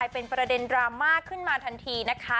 เป็นประเด็นดราม่าขึ้นมาทันทีนะคะ